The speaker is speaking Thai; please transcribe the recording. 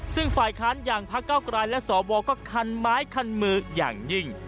ซึ่งฝ่ายค้านอย่างพระเก้ากลายและสวก็คันไม้คันมืออย่างยิ่ง